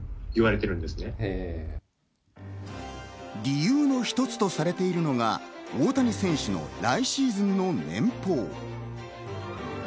理由の一つとされているのが、大谷選手の来シーズンの年俸。